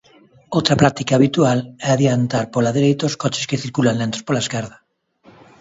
Outra práctica habitual é adiantar pola dereita a coches que circulan lentos pola esquerda.